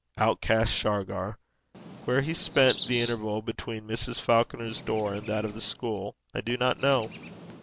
Outcast Shargar! Where he spent the interval between Mrs. Falconer's door and that of the school, I do not know.